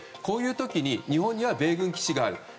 こういう時に日本には米軍基地がある。